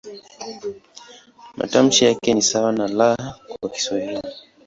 Matamshi yake ni sawa na "L" kwa Kiswahili.